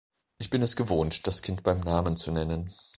Ich bin es gewohnt, das Kind beim Namen zu nennen.